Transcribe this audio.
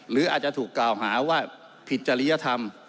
หรืออาจจะถูกกล่าวหาว่าผิดจริยธรรม